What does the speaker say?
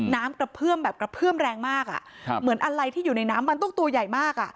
น้ำกระเพื่อมแบบกระเพื่อมแรงมากอ่ะครับเหมือนอะไรที่อยู่ในน้ำมันต้องตัวใหญ่มากอ่ะ